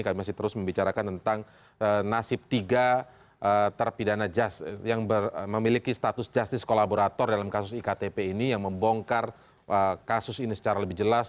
kami masih terus membicarakan tentang nasib tiga terpidana jas yang memiliki status justice kolaborator dalam kasus iktp ini yang membongkar kasus ini secara lebih jelas